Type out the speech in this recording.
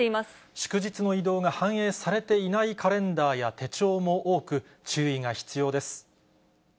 祝日の移動が反映されていないカレンダーや手帳も多く、注意が必要です。